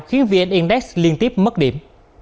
khiến vn index liên tiếp mất điểm